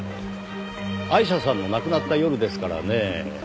アイシャさんの亡くなった夜ですからねぇ。